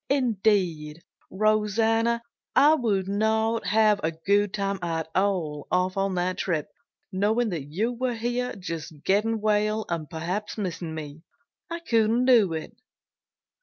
"Indeed, Rosanna, I would not have a good time at all off on that trip knowing that you were here just getting well and perhaps missing me. I couldn't do it!"